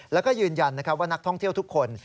แล้วก็ยืนยันว่านักท่องเที่ยวทุกคน